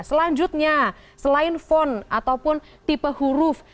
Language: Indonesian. selanjutnya selain font ataupun tipe huruf